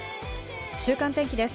週間天気です。